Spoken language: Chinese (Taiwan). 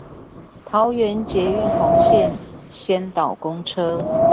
桃園捷運紅線先導公車